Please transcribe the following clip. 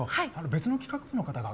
別の企画部の方が。